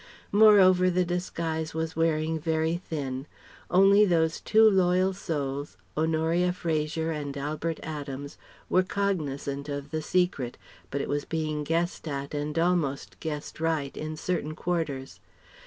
Moreover the disguise was wearing very thin. Only those two loyal souls, Honoria Fraser and Albert Adams, were cognizant of the secret, but it was being guessed at and almost guessed right, in certain quarters.